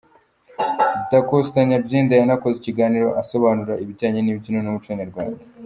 Dacosta Nyabyenda yanakoze ikiganiro asobanura ibijyanye n'imbyino n'umuco nyarwanda.